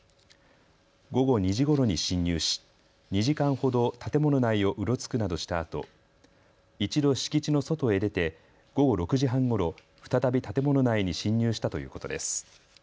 午後２時ごろに侵入し２時間ほど建物内をうろつくなどしたあと一度、敷地の外へ出て午後６時半ごろ再び建物内に侵入したということです。